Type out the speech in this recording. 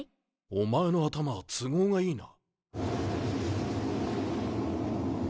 お前の頭は都合がいいな。